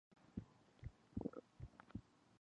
The west tower is Perpendicular.